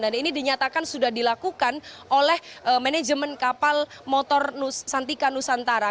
dan ini dinyatakan sudah dilakukan oleh manajemen kapal motor santika nusantara